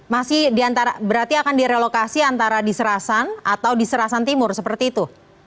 masih di antara berarti akan direlokasi antara di serasan atau di serasan timur seperti itu